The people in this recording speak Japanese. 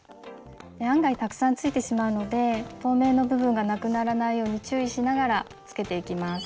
案外たくさんついてしまうので透明の部分がなくならないように注意しながらつけていきます。